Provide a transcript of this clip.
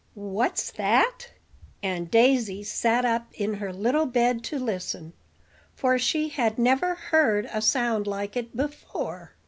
"What's that?" and Daisy sat up in her little bed to listen; for she had never heard a sound like it before.